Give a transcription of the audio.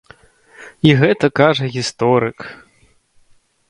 І гэта кажа гісторык.